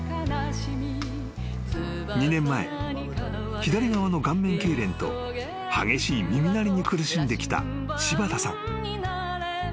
［２年前左側の顔面けいれんと激しい耳鳴りに苦しんできた柴田さん］